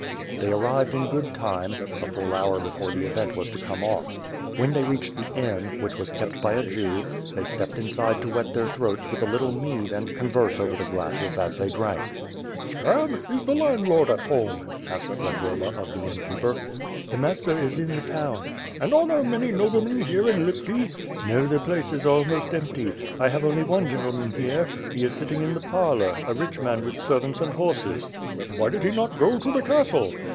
They arrived in good time, a full hour before the event was to come off. When they reached the inn, which was kept by a Jew, they stepped inside to wet their throats with a little mead and converse over the glasses as they drank. "Scab, is the landlord at home?" asked Zagloba of the inn keeper. "The master is in the town." "And are there many noblemen here in Lipki?" "No, the place is almost empty. I have only one gentle man here. He is sitting in the parlor; a rich man with ser vants and horses." "Why did he not go to the castle?"